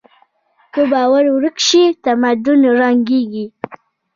که باور ورک شي، تمدن ړنګېږي.